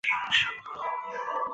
泉水站为侧式站台高架站。